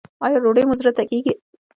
ایا ډوډۍ مو زړه ته کیږي؟